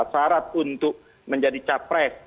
syarat untuk menjadi capres